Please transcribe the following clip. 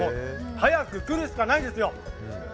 早く来るしかないですよ。